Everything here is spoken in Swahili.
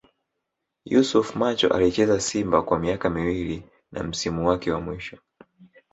Yusuf Macho Alicheza Simba kwa miaka miwili na msimu wake wa mwisho